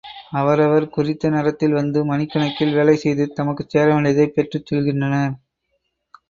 அவரவர் குறித்த நேரத்தில் வந்து மணிக்கணக்கில் வேலை செய்து தமக்குச் சேரவேண்டியதைப் பெற்றுச் செல்கின்றனர்.